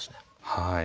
はい。